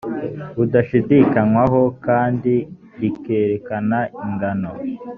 budashidikanywaho kandi rikerekana ingano